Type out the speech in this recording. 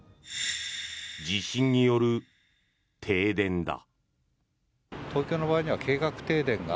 地震による停電だ。